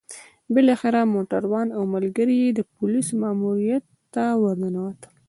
بالاخره موټروان او ملګري يې د پوليسو ماموريت ته ورننوتل.